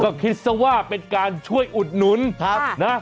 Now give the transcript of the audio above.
ก็คิดซะว่าเป็นการช่วยอุดหนุนนะ